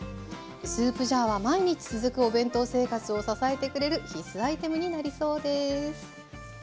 スープジャーは毎日続くお弁当生活を支えてくれる必須アイテムになりそうです。